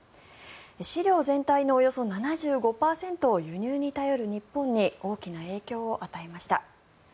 飼料全体のおよそ７５％を輸入に頼る日本に大きな影響を与えました。